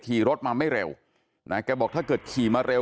สิ่งที่เขาเกรดขี่รถมาไม่เร็ว